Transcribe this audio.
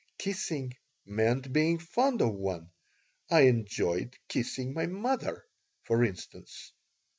Kissing meant being fond of one. I enjoyed kissing my mother, for instance.